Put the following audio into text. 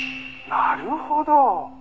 「なるほど！」